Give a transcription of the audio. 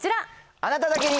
あなただけに！